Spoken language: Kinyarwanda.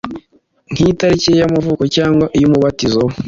nk’itariki ye y’amavuko cyangwa iy’umubatizo we,